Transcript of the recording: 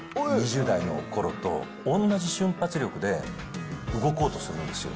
２０代のころと同じ瞬発力で動こうとするんですよ。